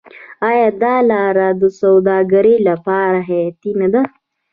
آیا دا لاره د سوداګرۍ لپاره حیاتي نه ده؟